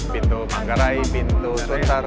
pintu pangkarai pintu tutar